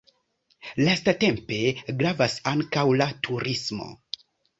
Lastatempe gravas ankaŭ la turismo.